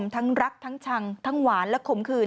ทั้งรักทั้งชังทั้งหวานและข่มขืน